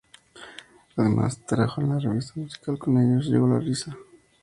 Además, trabajó en la revista musical "Con ellos llegó la risa".